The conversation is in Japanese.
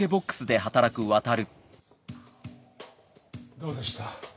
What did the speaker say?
どうでした？